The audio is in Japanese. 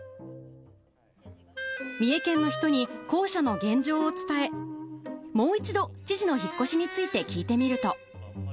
三重県の人に、公舎の現状を伝え、もう一度、知事の引っ越しについて聞いてみると。